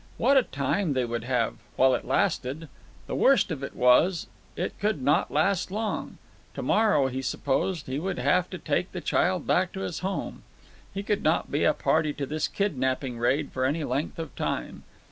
What a time they would have—while it lasted! The worst of it was, it could not last long. To morrow, he supposed, he would have to take the child back to his home. He could not be a party to this kidnapping raid for any length of time.